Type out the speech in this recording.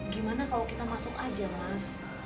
gimana kalau kita masuk aja mas